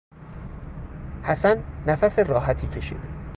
حسن نفس راحتی کشید.